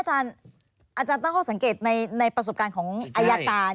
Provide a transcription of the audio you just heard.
อัจจานอันนี้อาจารย์